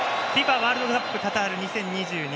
ワールドカップカタール２０２２